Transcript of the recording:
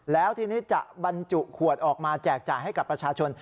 แล้วทีนี้จะบรรจุขวดออกมาแจกจ่ายให้กับประชาชน